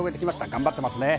頑張ってますね。